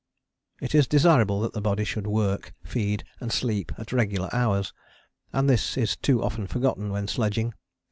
It is desirable that the body should work, feed and sleep at regular hours, and this is too often forgotten when sledging.